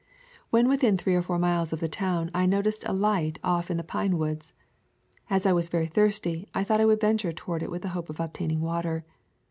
When within three or four miles of the town I noticed a light off in the pine woods. As I was very thirsty, I thought I would venture toward it with the hope of obtaining water.